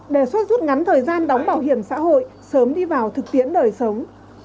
đề xuất rút ngắn thời gian đóng bảo hiểm xã hội sớm đi vào thực tiễn đời sống